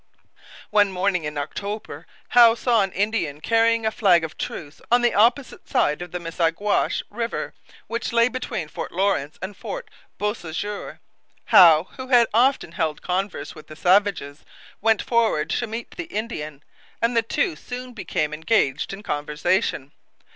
One morning in October Howe saw an Indian carrying a flag of truce on the opposite side of the Missaguash river, which lay between Fort Lawrence and Fort Beausejour. Howe, who had often held converse with the savages, went forward to meet the Indian, and the two soon became engaged in conversation.